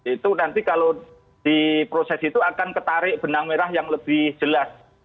itu nanti kalau di proses itu akan ketarik benang merah yang lebih jelas